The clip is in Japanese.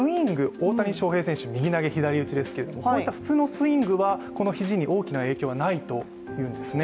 大谷翔平、右投げ、左打ちですけども、こういった普通のスイングは肘に大きな影響はないというんですね。